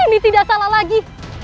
ini tidak salah lagi